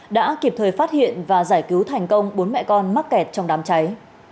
đã kịp thời phát hiện và giải cứu thành công bốn mẹ con mắc kẹt trong đám cháy